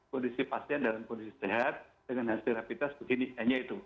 kondisi pasien dalam kondisi sehat dengan hasil rapid test begini hanya itu